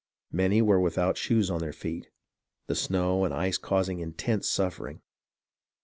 Many were without shoes for their feet, the snow and ice causing intense suffering.